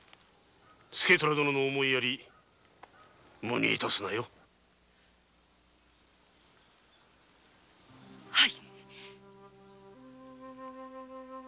助虎殿の思いやり無にいたすなよ。はぃ